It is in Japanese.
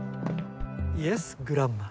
イエスグランマ。